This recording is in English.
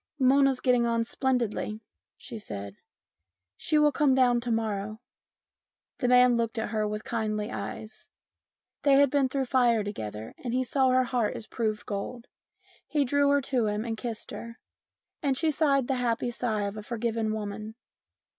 " Mona's getting on splendidly," she said. " She will come down to morrow." The man looked at her with kindly eyes. They had been through the fire together and he saw her heart as proved gold. He drew her to him and kissed her, and she sighed the happy sigh of a forgiven woman.